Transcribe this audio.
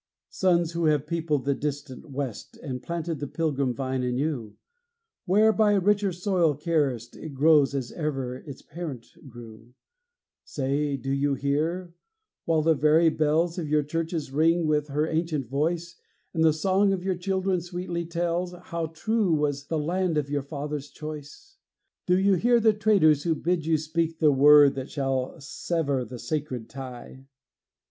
Sons, who have peopled the distant West, And planted the Pilgrim vine anew, Where, by a richer soil carest, It grows as ever its parent grew, Say, do you hear, while the very bells Of your churches ring with her ancient voice, And the song of your children sweetly tells How true was the land of your fathers' choice, Do you hear the traitors who bid you speak The word that shall sever the sacred tie?